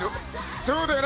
そうだよな？